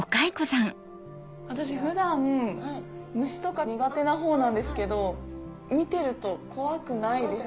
私普段虫とか苦手なほうなんですけど見てると怖くないです。